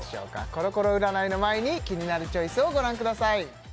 コロコロ占いの前に「キニナルチョイス」をご覧ください